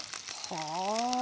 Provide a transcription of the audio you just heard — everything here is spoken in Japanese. はあ。